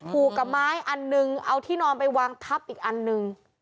ผูกกับไม้อันหนึ่งเอาที่นอนไปวางทับอีกอันหนึ่ง